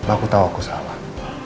aku tahu aku salah